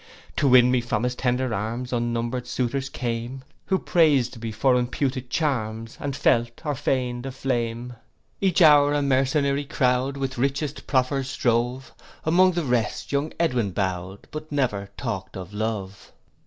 'To win me from his tender arms, Unnumber'd suitors came; Who prais'd me for imputed charms, And felt or feign'd a flame. 'Each hour a mercenary crowd, With richest proffers strove: Among the rest young Edwin bow'd, But never talk'd of love.